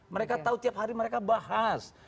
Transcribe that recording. mereka tahu tiap hari mereka bahas